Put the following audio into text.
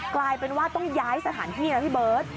กลายเป็นว่าต้องย้ายสถานที่นะพี่เบิร์ต